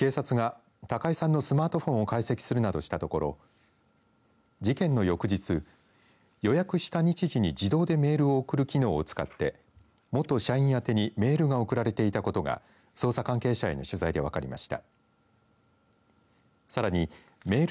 警察が高井さんのスマートフォンを解析するなどしたところ事件の翌日、予約した日時に自動でメールを送る機能を使って元社員宛てにメールが送られていたことが捜査関係者への取材で分かりました。